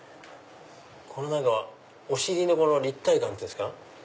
これ何かお尻の立体感っていうんですか。